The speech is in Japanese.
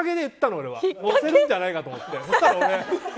のせるんじゃないかと思って。